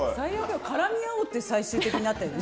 絡み合おうって最終的にあったよね。